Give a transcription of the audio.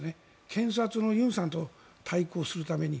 検察の尹さんと対抗するために。